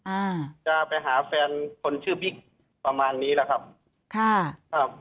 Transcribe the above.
อ่าจะไปหาแฟนคนชื่อบิ๊กประมาณนี้แหละครับค่ะครับ